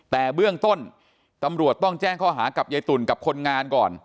แต่เบื้องต้นตำรวจต้องแจ้งข้อหากับยายตุ่นกับคนงานก่อน